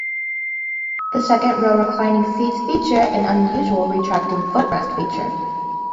The second row reclining seats feature an unusual retracting footrest feature.